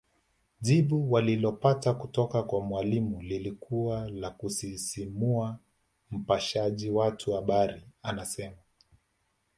Jibu walilopata kutoka kwa Mwalimu lilikuwa la kusisimua Mpashaji wangu habari anasema